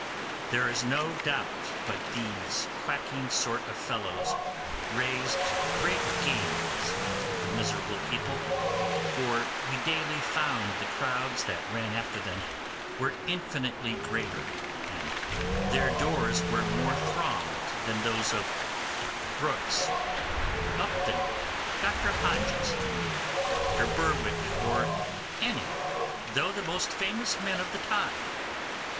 There is no doubt but these quacking sort of fellows raised great gains out of the miserable people, for we daily found the crowds that ran after them were infinitely greater, and their doors were more thronged than those of Dr Brooks, Dr Upton, Dr Hodges, Dr Berwick, or any, though the most famous men of the time.